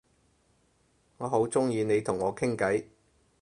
我好鍾意你同我傾偈